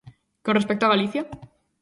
¿Con respecto a Galicia?